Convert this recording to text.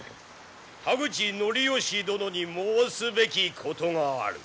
田口教能殿に申すべきことがある。